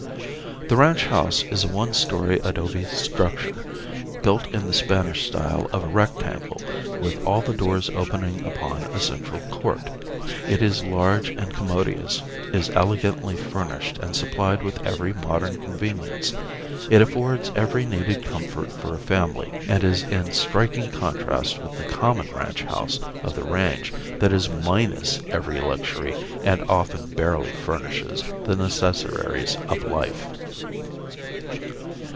The ranch house is a one story adobe structure built in the Spanish style of a rectangle, with all the doors opening upon a central court. It is large and commodious, is elegantly furnished and supplied with every modern convenience. It affords every needed comfort for a family and is in striking contrast with the common ranch house of the range that is minus every luxury and often barely furnishes the necessaries of life.